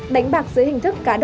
đánh bạc dưới hình thức cá độ bóng đá